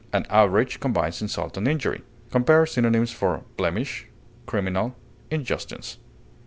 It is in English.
An outrage combines insult and injury. Compare synonyms for BLEMISH; CRIMINAL; INJUSTICE.